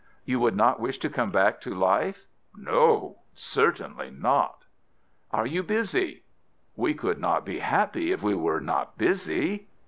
"You would not wish to come back to life?" "No—certainly not." "Are you busy?" "We could not be happy if we were not busy."